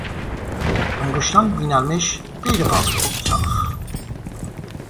انگشتان بی نرمش، غیر قابل انعطاف